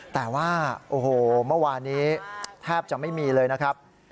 แต่ว่าโอ้โหเมื่อวานนี้แทบจะไม่มีเลยนะครับ